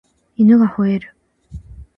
犬が吠える